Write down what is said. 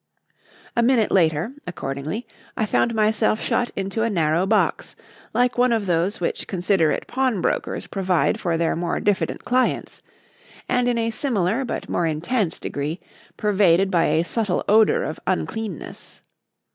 A minute later, accordingly, I found myself shut into a narrow box, like one of those which considerate pawnbrokers provide for their more diffident clients, and in a similar, but more intense, degree, pervaded by a subtle odour of uncleanness.